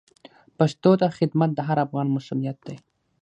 پښتو ته خدمت د هر افغان مسوولیت دی.